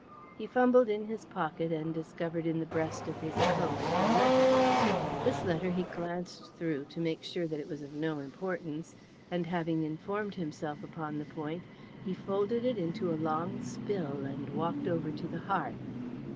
He fumbled in his pocket and discovered in the breast of his coat a letter. This letter he glanced through to make sure that it was of no importance, and having informed himself upon the point he folded it into a long spill and walked over to the hearth.